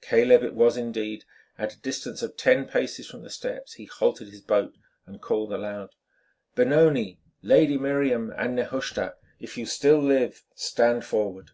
Caleb it was indeed. At a distance of ten paces from the steps he halted his boat and called aloud: "Benoni, Lady Miriam and Nehushta, if you still live, stand forward."